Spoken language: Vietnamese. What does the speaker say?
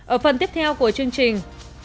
ở phần tiếp theo của chương trình